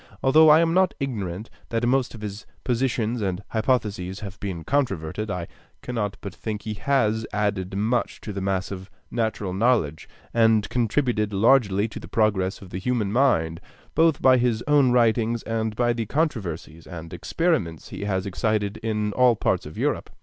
Although I am not ignorant that most of his positions and hypotheses have been controverted, I cannot but think he has added much to the mass of natural knowledge, and contributed largely to the progress of the human mind, both by his own writings and by the controversies and experiments he has excited in all parts of Europe.